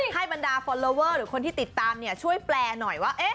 ให้บรรดาฟอร์โลเวอร์หรือกนที่ติดตามเนี่ยช่วยแปรหน่อยว่า